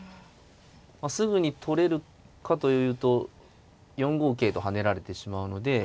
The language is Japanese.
すぐに取れるかというと４五桂と跳ねられてしまうので。